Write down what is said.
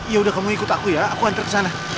ya udah kamu ikut aku ya aku hantar kesana